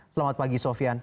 selamat pagi sofian